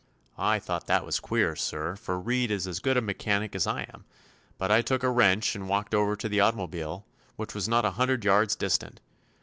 "I thought that was queer, sir, for Reed is as good a mechanic as I am; but I took a wrench and walked over to the automobile, which was not a hundred yards distant.